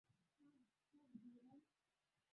mwaka elfu moja mia tatu ishirini